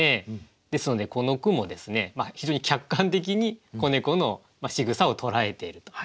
ですのでこの句も非常に客観的に子猫のしぐさを捉えているということですね。